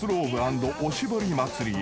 ＆おしぼり祭りへ］